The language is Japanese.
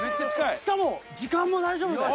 しかも時間も大丈夫だよ。